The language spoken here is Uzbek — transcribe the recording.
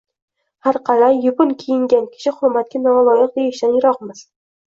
Har qalay, yupun keyingan kishi hurmatga noloyiq deyishdan yiroqmiz